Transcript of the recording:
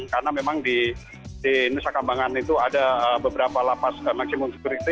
karena memang di nusa kambangan itu ada beberapa lapas maksimum security